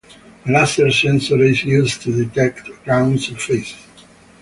The laser sensor is used to detect ground surface.